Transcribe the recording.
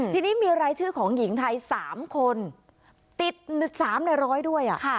ทีนี้มีรายชื่อของหญิงไทย๓คนติด๓ใน๑๐๐ด้วย